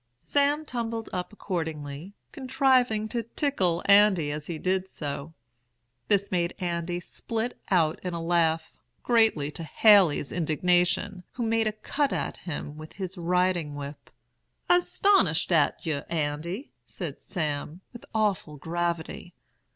"Sam tumbled up accordingly, contriving to tickle Andy as he did so. This made Andy split out into a laugh, greatly to Haley's indignation, who made a cut at him with his riding whip. 'I'se 'stonished at yer, Andy,' said Sam, with awful gravity.